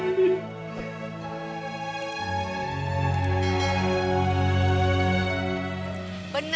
baru yang berlua